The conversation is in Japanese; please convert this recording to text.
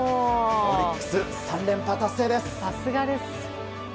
オリックス３連覇達成です。